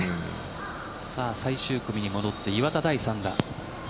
最終組に戻って岩田の第３打。